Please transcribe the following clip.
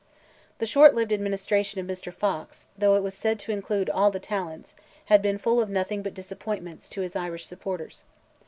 The short lived administration of Mr. Fox, though it was said to include "all the talents," had been full of nothing but disappointment to his Irish supporters.